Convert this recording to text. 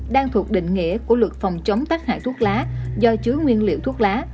đang thuộc định nghĩa của luật phòng chống tắc hại thuốc lá do chứa nguyên liệu thuốc lá